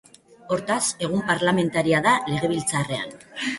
Hortaz, egun parlamentaria da legebiltzarrean.